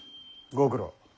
ご苦労。